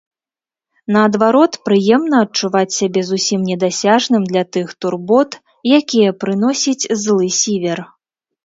Наадварот, прыемна адчуваць сябе зусім недасяжным для тых турбот, якія прыносіць злы сівер.